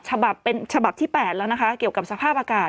ฉบับเป็นฉบับที่๘แล้วนะคะเกี่ยวกับสภาพอากาศ